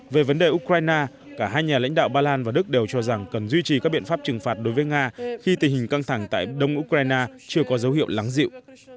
về vấn đề ukraine cả hai nhà lãnh đạo ba lan và đức đều cho rằng cần duy trì các biện pháp trừng phạt đối với nga khi tình hình căng thẳng tại đông ukraine chưa có dấu hiệu lắng dịu